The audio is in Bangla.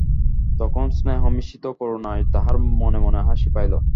তখন স্নেহমিশ্রিত করুণায় তাহার মনে মনে হাসি পাইল।